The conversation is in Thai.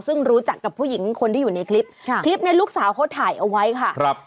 ซึ่งรู้จักกับผู้หญิงคนที่อยู่ในคลิปค่ะคลิปนี้ลูกสาวเขาถ่ายเอาไว้ค่ะครับ